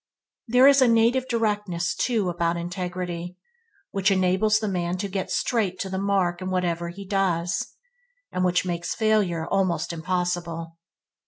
There is a native directness, too, about integrity, which enables the man to get straight to the mark in whatever he does, and which makes failure almost impossible.